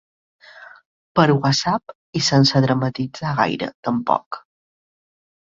Per whatsapp i sense dramatitzar gaire, tampoc.